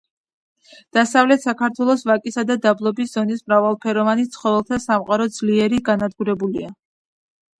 დასავლეთ საქართველოს ვაკისა და დაბლობის ზონის მრავალფეროვანი ცხოველთა სამყარო ძლიერ განადგურებულია.